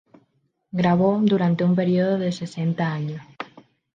Grabó durante un periodo de sesenta años.